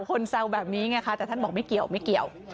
แซวแบบนี้ไงคะแต่ท่านบอกไม่เกี่ยวไม่เกี่ยว